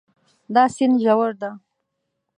دا سیند ژور ده